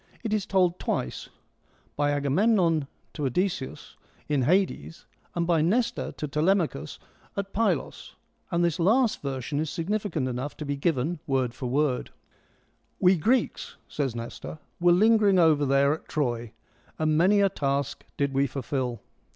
It is^tokU twice — by Agamemnon to Odysseus in Hades, and by Nestor to Telemachus at Pylos, and this last version is significant enough to be given word for word : We Greeks (says Nestor) were lingering over there at Troy, and many a task did we fulfil.